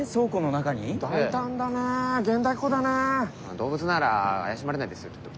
動物なら怪しまれないですよきっと。